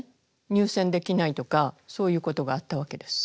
入選できないとかそういうことがあったわけです。